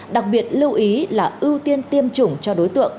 đặc biệt lưu ý là ưu tiên tiêm chủng cho đối tượng